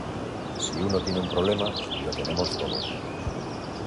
si uno tiene un problema, lo tenemos todos.